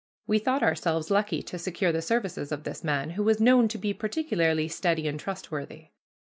We thought ourselves lucky to secure the services of this man, who was known to be particularly steady and trustworthy.